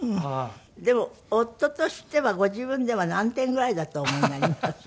でも夫としてはご自分では何点ぐらいだとお思いになります？